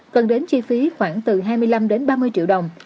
cần đến chi phí khoảng từ hai mươi năm đến ba mươi triệu đồng